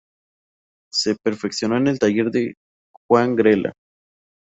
Se perfeccionó en el taller de Juan Grela.